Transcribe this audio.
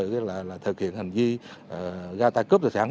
để thực hiện hành vi ra tài cướp tài sản